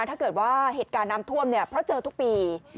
ถ้าเกิดว่าเหตุการณ์น้ำท่วมเนี่ยเพราะเจอทุกปี